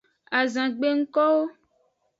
Azangbe ngkowo.